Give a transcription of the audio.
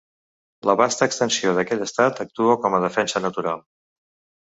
La vasta extensió d'aquest estat actua com a defensa natural.